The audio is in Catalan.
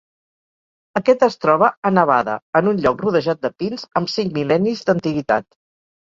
Aquest es troba a Nevada, en un lloc rodejat de pins amb cinc mil·lennis d'antiguitat.